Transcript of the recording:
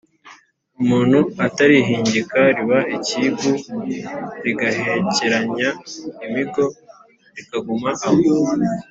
umuntu atarihingika, riba ikigu rigahekeranya imigo rikaguma aho.